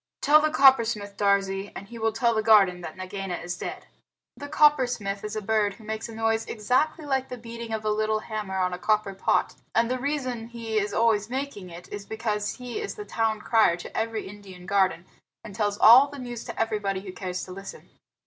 Tell the Coppersmith, Darzee, and he will tell the garden that Nagaina is dead." The Coppersmith is a bird who makes a noise exactly like the beating of a little hammer on a copper pot; and the reason he is always making it is because he is the town crier to every Indian garden, and tells all the news to everybody who cares to listen.